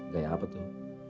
gaya apa tuh